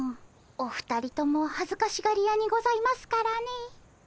お二人とも恥ずかしがり屋にございますからね。